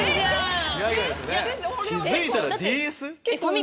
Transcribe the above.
気付いたらＤＳ⁉フッ！